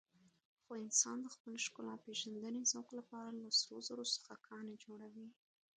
خو انسان د خپل ښکلاپېژندنې ذوق لپاره له سرو زرو څخه ګاڼې جوړوي.